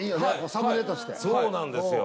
サムネとしてそうなんですよ